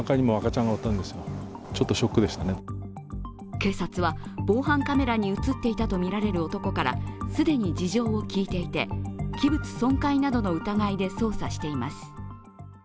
警察は、防犯カメラに映っていたとみられる男から既に事情を聴いていて、器物損壊などの疑いで捜査しています。